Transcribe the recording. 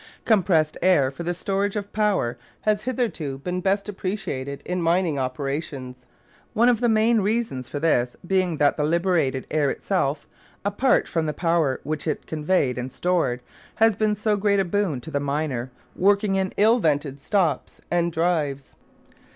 Compressed air for the storage of power has hitherto been best appreciated in mining operations, one of the main reasons for this being that the liberated air itself apart from the power which it conveyed and stored has been so great a boon to the miner working in ill ventilated stopes and drives.